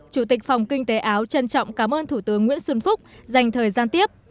chủ tịch phòng kinh tế áo trân trọng cảm ơn thủ tướng nguyễn xuân phúc dành thời gian tiếp